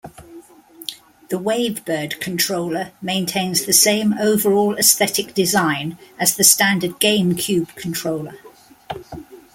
The WaveBird controller maintains the same overall aesthetic design as the standard GameCube controller.